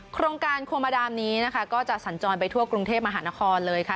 โครงการโคมาดามนี้นะคะก็จะสัญจรไปทั่วกรุงเทพมหานครเลยค่ะ